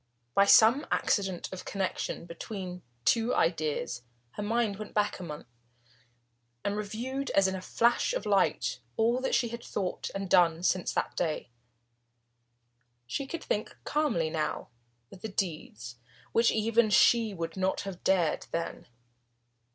By some accident of connection between two ideas, her mind went back a month, and reviewed as in a flash of light all that she had thought and done since that day. She had greatly changed since then. She could think calmly now of deeds which even she would not have dared then.